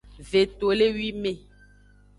Vetolewime.